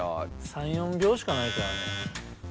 ３４びょうしかないからね。